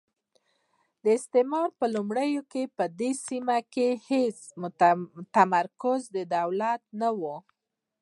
د استعمار په لومړیو کې په دې سیمه کې هېڅ متمرکز دولت نه وو.